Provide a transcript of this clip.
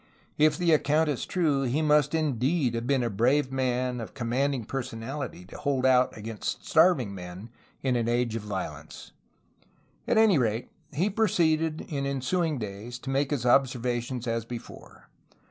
If the account is true, he must indeed 120 A HISTORY OF CALIFORNIA have been a brave man of commanding personality to hold out against starving men in an age of violence; at any rate, he proceeded in ensuing days to make his observations as before.